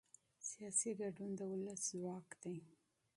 سیاسي ګډون د ولس ځواک دی